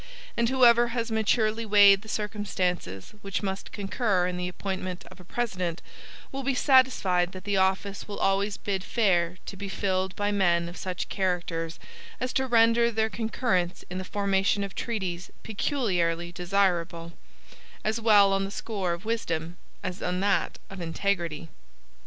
And whoever has maturely weighed the circumstances which must concur in the appointment of a President, will be satisfied that the office will always bid fair to be filled by men of such characters as to render their concurrence in the formation of treaties peculiarly desirable, as well on the score of wisdom, as on that of integrity.